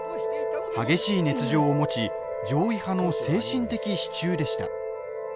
激しい熱情を持ち攘夷派の精神的支柱でした。